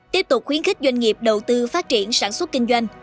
tiếp tục khuyến khích doanh nghiệp đầu tư phát triển sản xuất kinh doanh